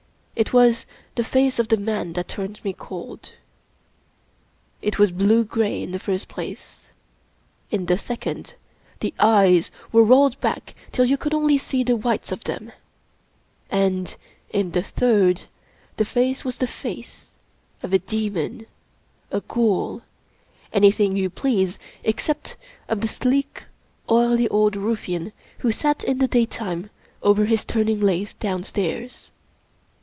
It was the face of the man that turned me colA It was blue gray in the first place. In the second, the eyes were rolled back till you could only see the whites of them; and, in the third, the face was the face of a demon — a ghoul — anything you please except of the sleek, oily old ruffian who sat in the daytime over his turning lathe downstairs.